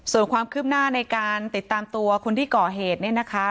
ส่วนความคืบหน้าในการติดตามตัวคนที่ก่อเหตุเนี่ยนะคะ